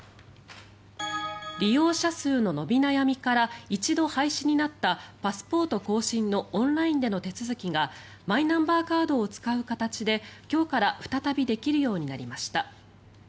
利用者数の伸び悩みから一度廃止になったパスポート更新のオンラインでの手続きがマイナンバーカードを使う形で今日から再びできるようになりました。